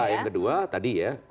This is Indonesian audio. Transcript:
yang kedua tadi ya